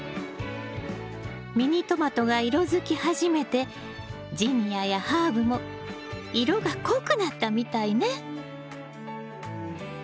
ミニトマトが色づき始めてジニアやハーブも色が濃くなったみたいね。